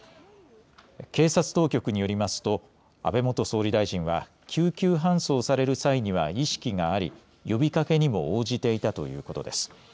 警察当局によりますと安倍元総理大臣は救急搬送される際には意識があり、呼びかけにも応じていたということです。